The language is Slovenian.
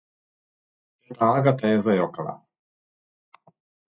Teta Agata je zajokala.